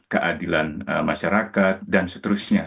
keadilan masyarakat dan seterusnya